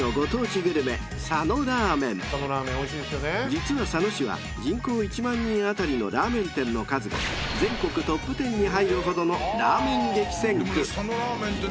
［実は佐野市は人口１万人当たりのラーメン店の数が全国トップ１０に入るほどの］